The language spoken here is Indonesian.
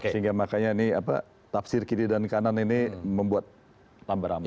sehingga makanya ini apa tafsir kiri dan kanan ini membuat tambah ramai